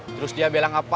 terus dia bilang apa